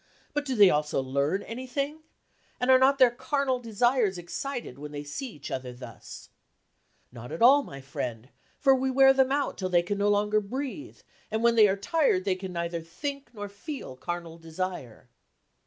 But do they also learn anything ? And are not their carnal desires excitedwvhen they see each other thus ?*" c Not at all, my friend, for we wear them out till they can no longer breathe, and when they are tired they can neither think nor feel carnal desire.